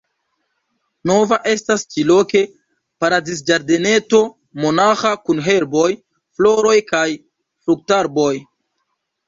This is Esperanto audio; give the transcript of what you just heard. Nova estas ĉi-loke paradiz-ĝardeneto monaĥa kun herboj, floroj kaj fruktarboj.